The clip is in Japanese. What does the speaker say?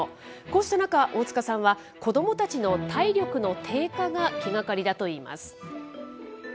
こうした中、大塚さんは、子どもたちの体力の低下が気がかりだといいます。